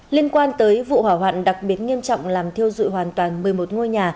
liên quan tới vụ hỏa hoạn đặc biệt nghiêm trọng làm thiêu dụi hoàn toàn một mươi một ngôi nhà